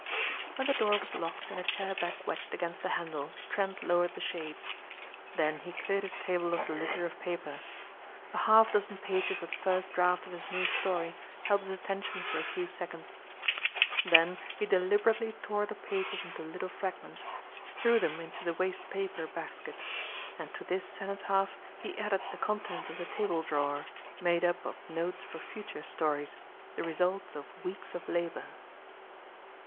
When the door was locked and a chair back wedged against the handle, Trent lowered the shades. Then he cleared his table of the litter of paper. A half dozen pages of the first draft of his new story held his attention for a few seconds. Then he deliberately tore the pages into little fragments, threw them into the waste paper basket. And to this cenotaph he added the contents of the table drawer, made up of notes for future stories, the results of weeks of labor.